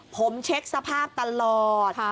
ผมเช็คสภาพตลอด